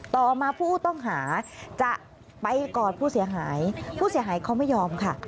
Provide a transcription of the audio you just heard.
ต่อมาผู้ต้องหาจะไปกอดผู้เสียหายผู้เสียหายเขาไม่ยอมค่ะ